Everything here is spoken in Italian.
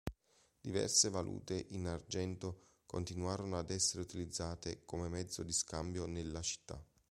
Diverse valute in argento continuarono ad essere utilizzate come mezzo di scambio nella città.